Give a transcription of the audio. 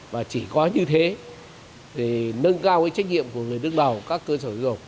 và chỉ có như thế nâng cao trách nhiệm của người đứng đầu các cơ sở dục